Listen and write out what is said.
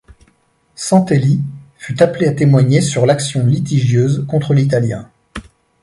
Santelli fut appelé à témoigner sur l’action litigieuse contre l’italien.